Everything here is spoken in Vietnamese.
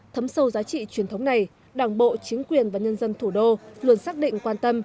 thấm sâu giá trị truyền thống này đảng bộ chính quyền và nhân dân thủ đô luôn xác định quan tâm